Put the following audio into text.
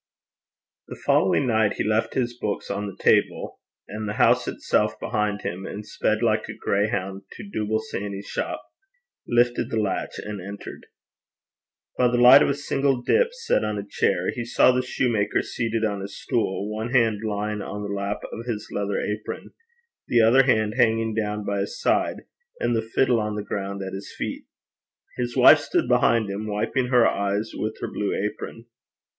The following night, he left his books on the table, and the house itself behind him, and sped like a grayhound to Dooble Sanny's shop, lifted the latch, and entered. By the light of a single dip set on a chair, he saw the shoemaker seated on his stool, one hand lying on the lap of his leathern apron, his other hand hanging down by his side, and the fiddle on the ground at his feet. His wife stood behind him, wiping her eyes with her blue apron.